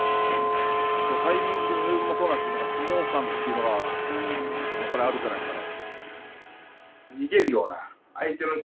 タイミングもそうなんですけど相撲勘というのがやっぱりあるんじゃないですかね。